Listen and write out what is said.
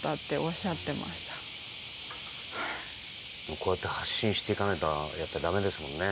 こうやって発信していかないとやっぱりだめですよね。